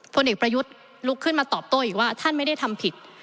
พลเอกประยุทธ์ลุกขึ้นมาตอบโต้อีกว่าท่านไม่ได้ทำผิด